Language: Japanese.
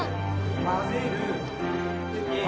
混ぜる。